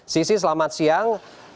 sisi selamat siang